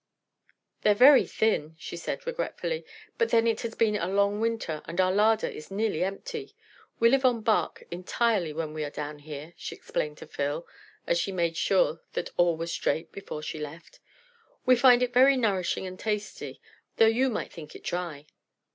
"They're very thin," she said, regretfully, "but then it has been a long winter, and our larder is nearly empty. We live on bark entirely when we are down here," she explained to Phil, as she made sure that all was straight before she left. "We find it very nourishing and tasty, though you might think it dry.